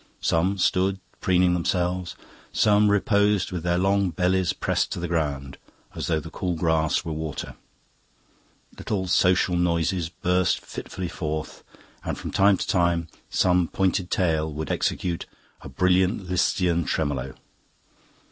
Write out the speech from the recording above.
Some stood, preening themselves, some reposed with their long bellies pressed to the ground, as though the cool grass were water. Little social noises burst fitfully forth, and from time to time some pointed tail would execute a brilliant Lisztian tremolo.